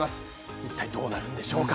一体どうなるんでしょうか。